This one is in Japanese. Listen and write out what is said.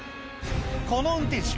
この運転手